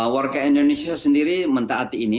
warga indonesia sendiri mentaati ini